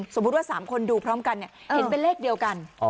สมมุติว่าสามคนดูพร้อมกันเนี่ยเห็นเป็นเลขเดียวกันอ๋อ